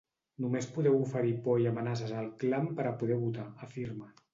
Només podeu oferir por i amenaces al clam per a poder votar, afirma.